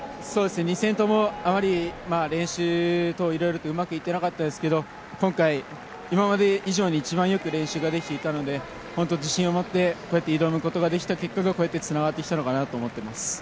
２戦ともあまり練習等いろいろとうまくいってなかったですけど、今回今まで以上に一番よく練習ができていたので、本当に自信を持って、こう挑むことができたのがこうやってつながってきたのかなと思っています。